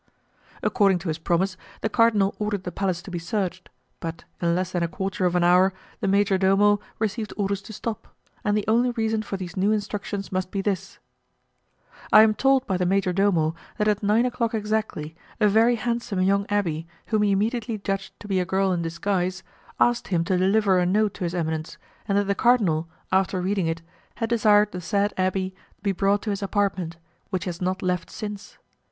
"According to his promise, the cardinal ordered the palace to be searched, but, in less than a quarter of an hour, the major domo received orders to stop, and the only reason for these new instructions must be this: "I am told by the major domo that at nine o'clock exactly a very handsome, young abbé, whom he immediately judged to be a girl in disguise, asked him to deliver a note to his eminence, and that the cardinal, after reading it, had desired the said abbé be brought to his apartment, which he has not left since.